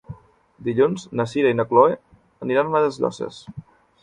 Dilluns na Sira i na Chloé aniran a les Llosses.